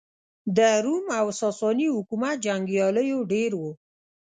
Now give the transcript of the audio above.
د روم او ساسا ني حکومت جنګیالېیو ډېر وو.